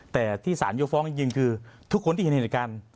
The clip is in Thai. แต่ที่สารยกฟ้องจริงคือทุกคนที่เห็นเหตุการณ์